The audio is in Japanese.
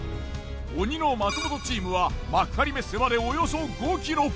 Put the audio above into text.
鬼の松本チームは幕張メッセまでおよそ５ｋｍ。